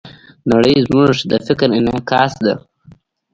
نړۍ زموږ د فکر انعکاس ده.